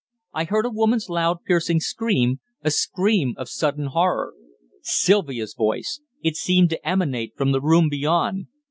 I heard a woman's loud, piercing scream a scream of sudden horror. Sylvia's voice! It seemed to emanate from the room beyond!